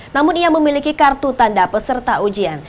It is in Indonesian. namun ia memiliki kartu tanda peserta ujian